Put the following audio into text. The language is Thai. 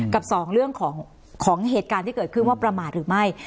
กับสองเรื่องของเหตุการณ์ที่เกิดขึ้นว่าประมาทหรือไม่